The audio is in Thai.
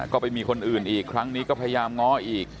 ก็ไปมีคนอื่นอีกครั้งนี้ก็พยายามง้ออีก